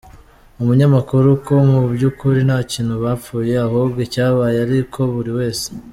umunyamakuru ko mu byu'kuri nta kintu bapfuye ahubwo icyabaye ari uko buri wese